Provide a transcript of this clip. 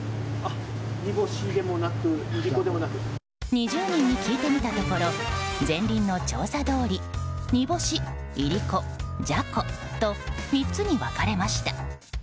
２０人に聞いてみたところゼンリンの調査どおり煮干し、いりこ、じゃこと３つに分かれました。